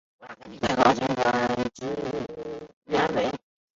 最高军职官员为。